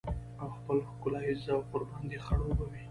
او خپل ښکلاييز ذوق ورباندې خړوبه وي.